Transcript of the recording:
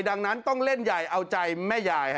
ดังนั้นต้องเล่นใหญ่เอาใจแม่ยาย